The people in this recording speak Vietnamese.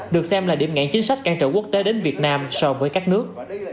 được xem là điểm ngạn chính sách can trở quốc tế đến việt nam so với các nước